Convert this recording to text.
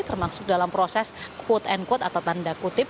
termasuk dalam proses quote unquote atau tanda kutip